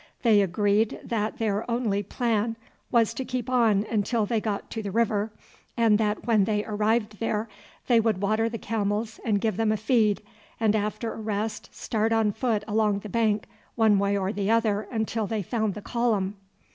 They agreed that their only plan was to keep on until they got to the river, and that when they arrived there they would water the camels and give them a feed, and after a rest start on foot along the bank one way or the other until they found the column.